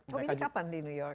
tapi ini kapan di new york